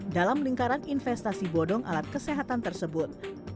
dalam lingkaran investasi bodong alat kesehatan tersebut